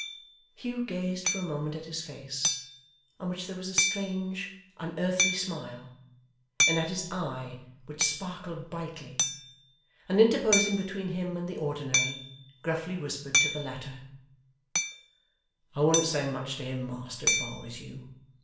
Hugh gazed for a moment at his face, on which there was a strange, unearthly smile; and at his eye, which sparkled brightly; and interposing between him and the Ordinary, gruffly whispered to the latter: 'I wouldn't say much to him, master, if I was you.